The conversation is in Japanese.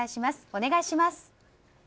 お願いします。